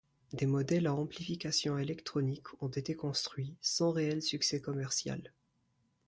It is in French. Des modèles à amplification électronique ont été construits, sans réel succès commercial.